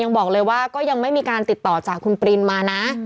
บอกเลยว่าก็ยังไม่มีการติดต่อจากคุณปรินมานะ